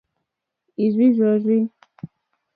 Ì rzí rzɔ́rzí.